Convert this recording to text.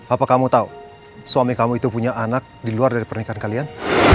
apa kamu tahu suami kamu itu punya anak di luar dari pernikahan kalian